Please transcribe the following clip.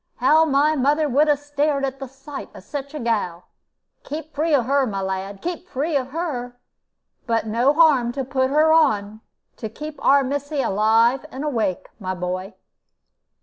How my mother would 'a stared at the sight of such a gal! Keep free of her, my lad, keep free of her. But no harm to put her on, to keep our missy alive and awake, my boy."